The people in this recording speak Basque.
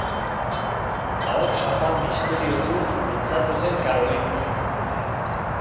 Ahots apal misteriotsuz mintzatu zen Caroline.